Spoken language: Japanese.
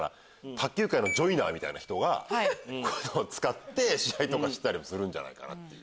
卓球界のジョイナーみたいな人が使って試合とかしてたりもするんじゃないかなって。